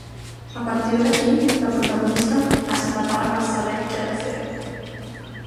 A partir d’aquí, la protagonista “es prepara per saber què ha de fer”.